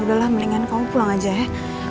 udahlah mendingan kamu pulang aja ya